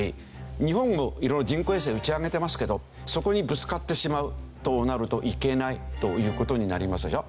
日本も色々人工衛星を打ち上げてますけどそこにぶつかってしまうとなるといけないという事になりますでしょ？